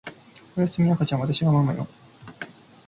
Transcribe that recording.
おやすみ赤ちゃんわたしがママよ